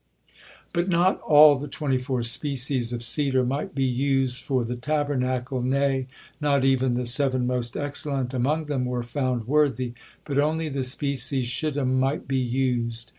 But not all the twenty four species of cedar might be used for the Tabernacle, nay, not even the seven most excellent among them were found worthy, but only the species shittim might be used.